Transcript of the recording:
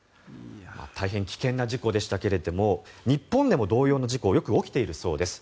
大変危険な事故でしたけれども日本でも同様の事故はよく起きているそうです。